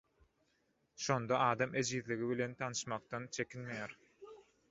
Şonda adam ejizligi bilen tanyşmakdan çekinmeýär